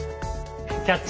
「キャッチ！